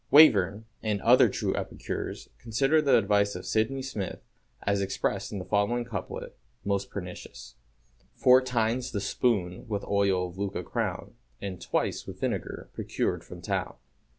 Wyvern and other true epicures consider the advice of Sydney Smith, as expressed in the following couplet, "most pernicious": "Four times the spoon with oil of Lucca crown, And twice with vinegar procured from town."